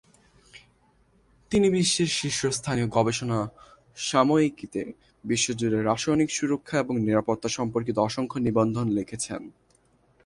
তিনি বিশ্বের শীর্ষস্থানীয় গবেষণা সাময়িকীতে বিশ্বজুড়ে রাসায়নিক সুরক্ষা এবং নিরাপত্তা সম্পর্কিত অসংখ্য নিবন্ধ লিখেছেন।